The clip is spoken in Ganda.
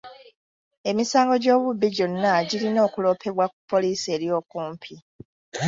Emisango gy'obubbi gyonna girina okuloopebwa ku poliisi eri okumpi.